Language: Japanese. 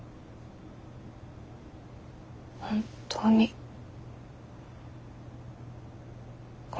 本当にごめん。